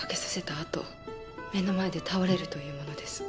あと目の前で倒れるというものです